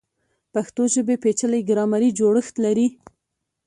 پښتو ژبه پیچلی ګرامري جوړښت لري.